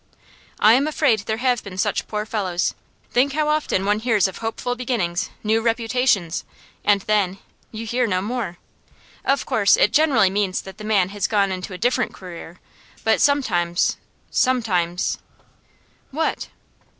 'I'm afraid there have been such poor fellows. Think how often one hears of hopeful beginnings, new reputations, and then you hear no more. Of course it generally means that the man has gone into a different career; but sometimes, sometimes ' 'What?